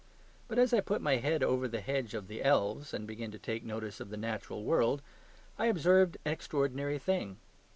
But as I put my head over the hedge of the elves and began to take notice of the natural world, I observed an extraordinary thing.